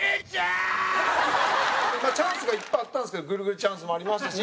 まあチャンスがいっぱいあったんですけどぐるぐるチャンスもありましたし。